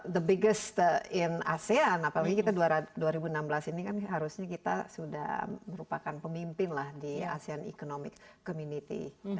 the biggest in asean apalagi kita dua ribu enam belas ini kan harusnya kita sudah merupakan pemimpin lah di asean economic community